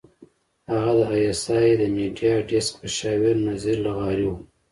هغه د اى ايس اى د میډیا ډیسک مشاور نذیر لغاري وو.